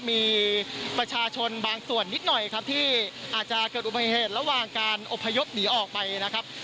มีประชาชนบางส่วนนิดหน่อยครับที่อาจจะเกิดอุบัติเหตุระหว่างการอบพยพหนีออกไปนะครับ